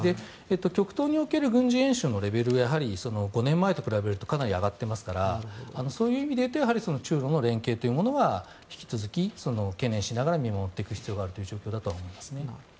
極東における軍事演習のレベルは５年前と比べるとかなり上がっていますからそういう意味で言うと中ロの連携というものは引き続き懸念しながら見守っていく必要があるという状況だと思います。